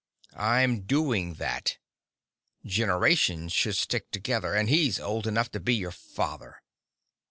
"I'm doing that. Generations should stick together, and he's old enough to be your father!"